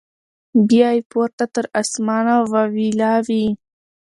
بیا یې پورته تر اسمانه واویلا وي